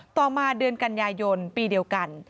ต่อมาเดือนกันยายนปีเดียวกัน